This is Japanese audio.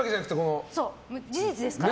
事実ですから。